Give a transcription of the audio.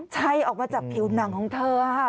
ใช่ออกมาจากผิวหนังของเธอค่ะ